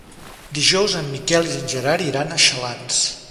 Dijous en Miquel i en Gerard iran a Xalans.